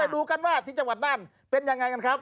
ดูกันว่าที่จังหวัดน่านเป็นยังไงกันครับ